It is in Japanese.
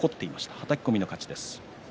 はたき込みの勝ちです。